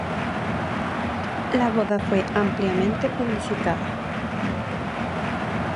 La boda fue ampliamente publicitada.